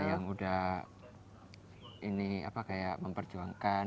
yang udah ini apa kayak memperjuangkan